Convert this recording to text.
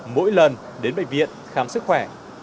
mỗi lần đến bệnh viện khám sức khỏe